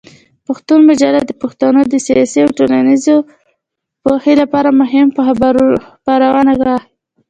پښتون مجله د پښتنو د سیاسي او ټولنیزې پوهې لپاره مهمه خپرونه وه.